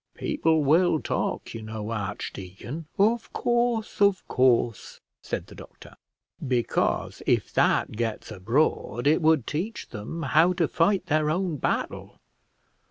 "People will talk, you know, archdeacon." "Of course, of course," said the doctor. "Because, if that gets abroad, it would teach them how to fight their own battle."